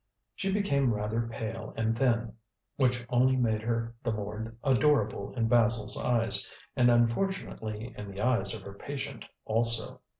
She became rather pale and thin, which only made her the more adorable in Basil's eyes, and, unfortunately, in the eyes of her patient also.